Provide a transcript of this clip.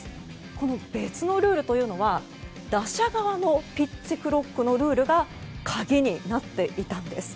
この別のルールというのは打者側のピッチクロックのルールが鍵になっていたんです。